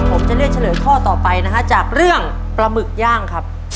ผมจะเลือกเฉลยข้อต่อไปนะฮะจากเรื่องปลาหมึกย่างครับ